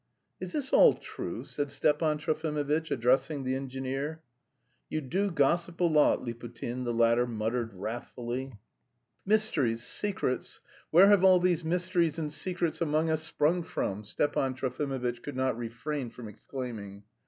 "Is this all true?" said Stepan Trofimovitch, addressing the engineer. "You do gossip a lot, Liputin," the latter muttered wrathfully. "Mysteries, secrets! Where have all these mysteries and secrets among us sprung from?" Stepan Trofimovitch could not refrain from exclaiming.